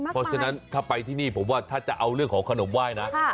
เพราะฉะนั้นถ้าไปที่นี้ผมว่าถ้าจะเอาขนมว่ายนะ